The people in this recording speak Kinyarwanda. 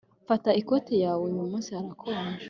Fata ikoti yawe Uyu munsi harakonje